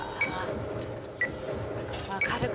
分かるか？